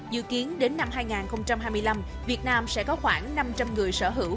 dự kiến đến năm hai nghìn hai mươi năm việt nam sẽ có khoảng năm trăm linh người sở hữu